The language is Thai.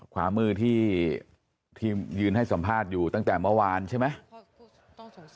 ขวามือที่ทีมยืนให้สัมภาษณ์อยู่ตั้งแต่เมื่อวานใช่ไหม